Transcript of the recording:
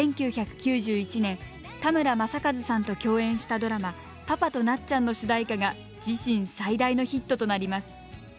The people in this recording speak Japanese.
１９９１年田村正和さんと共演したドラマ「パパとなっちゃん」の主題歌が自身最大のヒットとなります。